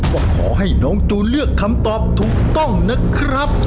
ก็ขอให้น้องจูนเลือกคำตอบถูกต้องนะครับ